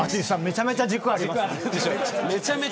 めちゃめちゃ軸ありますね。